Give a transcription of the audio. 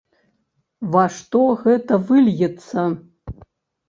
Ва што гэта выльецца?